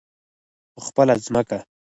په خپله ځمکه.